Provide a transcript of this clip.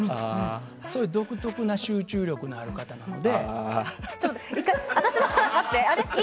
そういう独特な集中力のある方なので。